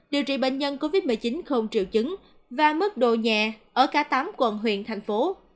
điều trị bệnh nhân covid một mươi chín không triệu chứng và mức độ nhẹ ở cả tám quận huyện thành phố